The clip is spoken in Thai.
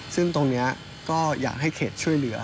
ซึ่งตรงนี้ก็อยากให้เขตช่วยเหลือ